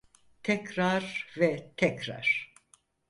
Tekrar ve tekrar.